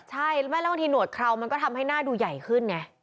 ใช่ไม่แล้วบางทีหนวดเครามันก็ทำให้หน้าดูใหญ่ขึ้นไง